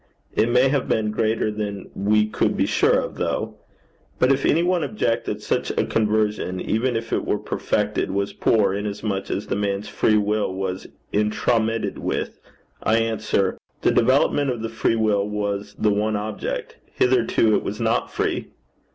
It may have been greater than we could be sure of, though. But if any one object that such a conversion, even if it were perfected, was poor, inasmuch as the man's free will was intromitted with, I answer: 'The development of the free will was the one object. Hitherto it was not free.'